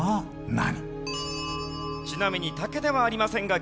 何？